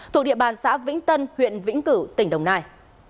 thuộc địa bàn xã vĩnh tân huyện vĩnh cửu tỉnh đồng nai